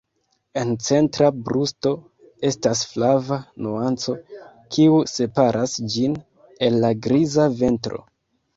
En centra brusto estas flava nuanco kiu separas ĝin el la griza ventro.